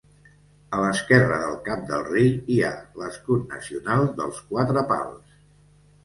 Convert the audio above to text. A l'esquerra del cap del rei hi ha l'escut nacional dels Quatre Pals.